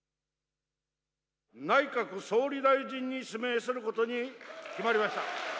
内閣総理大臣に指名することに決まりました。